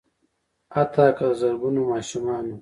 حتا که د زرګونو ماشومانو